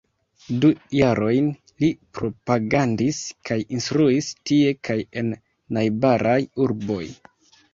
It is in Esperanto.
Du jarojn li propagandis kaj instruis tie kaj en najbaraj urboj.